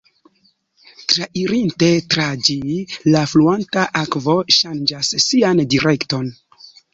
Trairinte tra ĝi, la fluanta akvo ŝanĝas sian direkton.